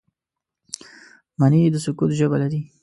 مني د سکوت ژبه لري